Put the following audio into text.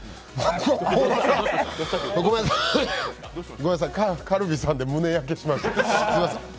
ごめんなさい、カルビさんで胸焼けまして。